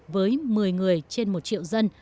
với một mươi người trên một triệu dân